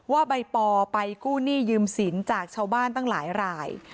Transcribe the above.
ว่าใบปอไปกู้หนี้ยืมสินจากชาวบ้านตั้งหลายราย